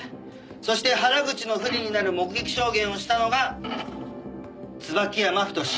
そして原口の不利になる目撃証言をしたのが椿山太。